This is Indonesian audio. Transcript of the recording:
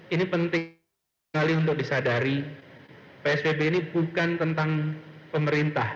ini penting sekali untuk disadari psbb ini bukan tentang pemerintah